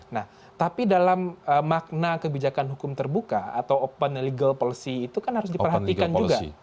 nah tapi dalam makna kebijakan hukum terbuka atau open legal policy itu kan harus diperhatikan juga